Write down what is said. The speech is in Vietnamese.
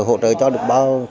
hỗ trợ cho được ba